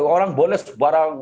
orang boleh sebarang